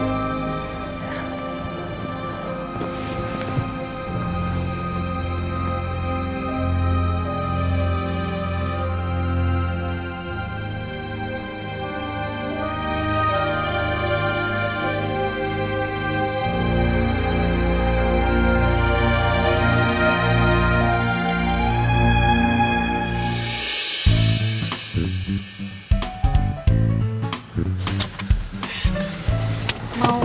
mau mampir atau mau langsung